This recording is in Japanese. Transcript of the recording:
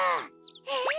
えっ！？